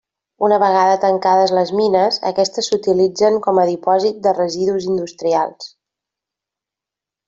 Una vegada tancades les mines, aquestes s'utilitzen com dipòsit de residus industrials.